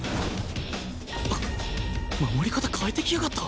守り方変えてきやがった